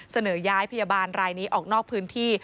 เสนอย้ายพยาบาลรายนี้ออกนอกพื้นที่